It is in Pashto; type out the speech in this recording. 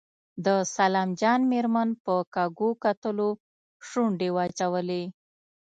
د سلام جان مېرمن په کږو کتلو شونډې واچولې.